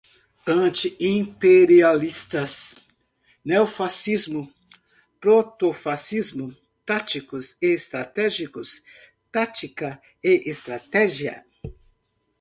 Anti-imperialistas, neofascismo, protofascismo, táticos e estratégicos, tática e estratégia